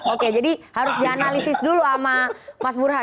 oke jadi harus dianalisis dulu sama mas burhan